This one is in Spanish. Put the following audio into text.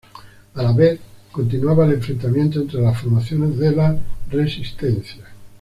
A la vez continuaba el enfrentamiento entre las formaciones de la resistencia.